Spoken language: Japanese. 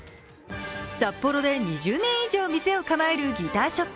札幌で２０年以上お店を構えるギターショップ